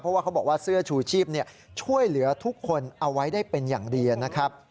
เพราะว่าเขาบอกว่าเสื้อชูชีพช่วยเหลือทุกคนเอาไว้ได้เป็นอย่างดีนะครับ